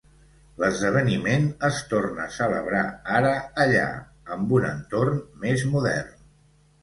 L'esdeveniment es torna a celebrar ara allà, amb un entorn més modern.